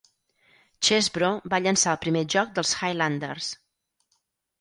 Chesbro va llançar el primer joc dels Highlanders.